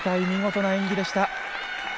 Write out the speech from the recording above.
見事な演技でした。